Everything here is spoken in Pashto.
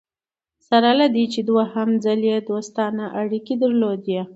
سره له دې چې دوهم ځل یې دوستانه اړیکي درلودې.